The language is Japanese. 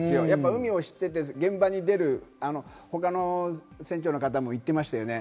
海を知っていて現場に出る他の船長の方も言ってましたよね。